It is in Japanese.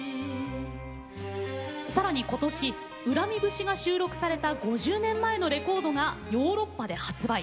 さらに今年「怨み節」が収録された５０年前のレコードがヨーロッパで発売。